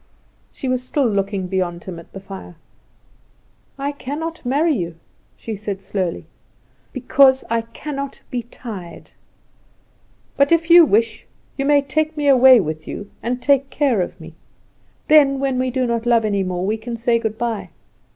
She was still looking beyond him at the fire. "I cannot marry you," she said slowly, "because I cannot be tied; but if you wish, you may take me away with you, and take care of me; then when we do not love any more we can say good bye.